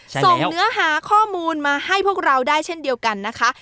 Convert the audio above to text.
ส่งเนื้อหาข้อมูลมาให้พวกเราได้เช่นเดียวกันนะคะ